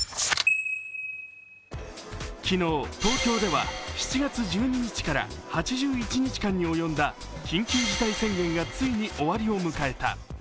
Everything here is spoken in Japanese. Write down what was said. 昨日東京では７月１２日から８１日間に及んだ緊急事態宣言がついに終わりを迎えた。